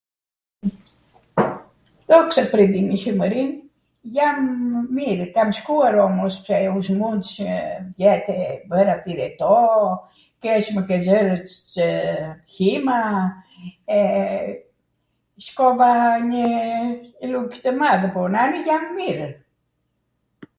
Dhoksa Pwrdin e Shwmwrin, jam mirw, kam shkuar omos pse u smursh vjet bwra pireto, keshmw kwlwrwnx[???] hjima, e shkova njw rug[?} tw madhe, po nani jam mirw.